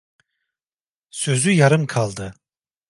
Sözü yarım kaldı.